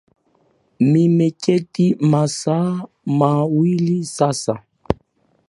Nimeketi masaa mawili sasa